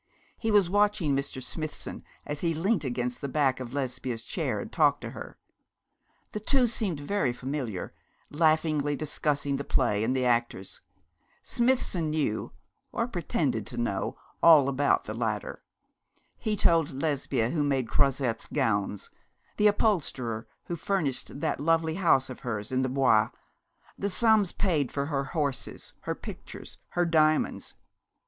He was watching Mr. Smithson as he leant against the back of Lesbia's chair and talked to her. The two seemed very familiar, laughingly discussing the play and the actors. Smithson knew, or pretended to know, all about the latter. He told Lesbia who made Croizette's gowns the upholsterer who furnished that lovely house of hers in the Bois the sums paid for her horses, her pictures, her diamonds.